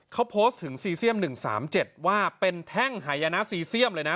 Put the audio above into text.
เขาโพสต์ถึงซีเซียมหนึ่งสามเจ็ดว่าเป็นแท่งหายนะซีเซียมเลยนะ